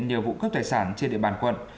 nhiều vụ cướp tài sản trên địa bàn quận